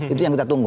itu yang kita tunggu